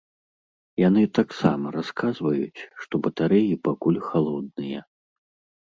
Яны таксама расказваюць, што батарэі пакуль халодныя.